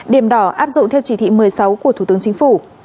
điểm đỏ áp dụng theo chỉ thị một mươi sáu của thủ tướng chính phủ